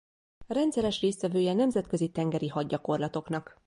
Rendszeres résztvevője nemzetközi tengeri hadgyakorlatoknak.